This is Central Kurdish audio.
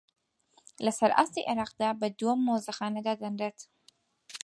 لەسەر ئاستی عێراقدا بە دووەم مۆزەخانە دادەنرێت